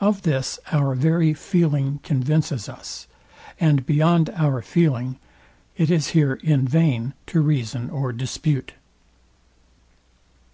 Of this our very feeling convinces us; and beyond our feeling, it is here in vain to reason or dispute.